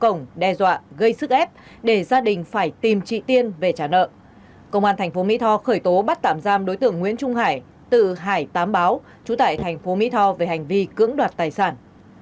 công an thành phố mỹ tho vừa tiến hành điều tra làm rõ do quyết định khởi tố bắt tạm giam đối tượng nguyễn trung hải từ hải tám báo chú tại thành phố mỹ tho về hành vi cưỡng đoạt tài sản